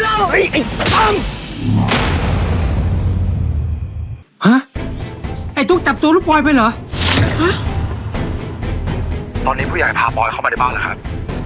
ฮะไอ้ตุ๊กจับตัวลูกปอยไปเหรอฮะตอนนี้ผู้ใหญ่พาปอยเข้ามาในบ้านแล้วครับ